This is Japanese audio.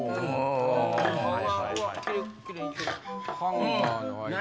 ハンガーの間。